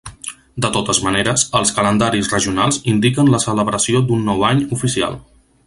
De totes maneres, els calendaris regionals indiquen la celebració d'un nou any oficial.